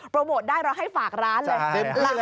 โปรโมทได้เราให้ฝากร้านเลย